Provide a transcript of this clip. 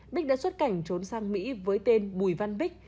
bích đã xuất cảnh trốn sang mỹ với tên bùi văn bích